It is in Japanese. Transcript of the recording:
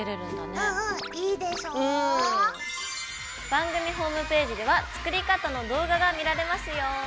番組ホームページでは作り方の動画が見られますよ。